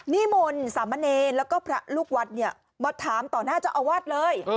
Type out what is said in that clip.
นี่มนต์สามะเนรแล้วก็พระลูกวัดมัดถามต่อหน้าเจ้าอาวาสเลย